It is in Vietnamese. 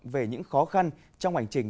về những khó khăn trong hành trình